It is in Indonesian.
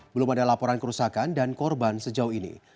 belum ada laporan kerusakan dan korban sejauh ini